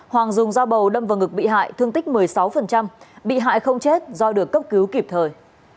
hoàng dùng dao bầu đâm vào ngực bị hại thương tích một mươi sáu bị hại không chết do được cấp cứu kịp thời